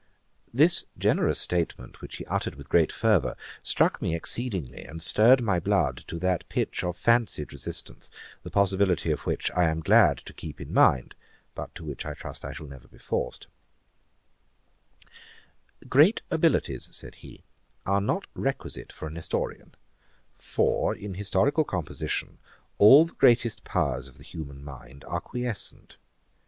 This generous sentiment, which he uttered with great fervour, struck me exceedingly, and stirred my blood to that pitch of fancied resistance, the possibility of which I am glad to keep in mind, but to which I trust I never shall be forced. [Page 425: A Scotchman's noblest prospect. Ætat 54.] 'Great abilities (said he) are not requisite for an Historian; for in historical composition, all the greatest powers of the human mind are quiescent.